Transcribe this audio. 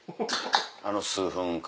あの数分間。